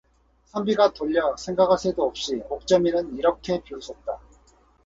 선비가 돌려 생각할 새도 없이 옥점이는 이렇게 비웃었다.